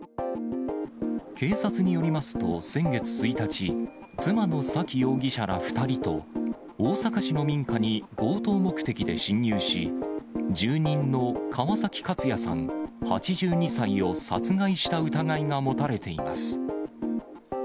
警察によりますと、先月１日、妻の左稀容疑者ら２人と、大阪市の民家に強盗目的で侵入し、住人の川崎勝哉さん８２歳を殺害した疑いが持たれています。